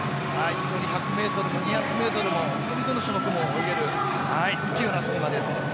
非常に１００ｍも２００ｍもどの種目も泳げる勢いのあるスイマーです。